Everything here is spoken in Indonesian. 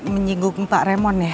menyinggung pak remon ya